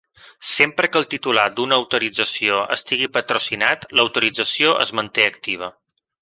Sempre que el titular d'un autorització estigui patrocinat, l'autorització es manté activa.